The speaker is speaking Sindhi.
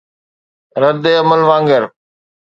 رد عمل وانگر